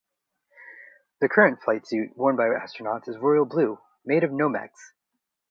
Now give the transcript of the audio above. The current flight suit worn by astronauts is royal blue, made of Nomex.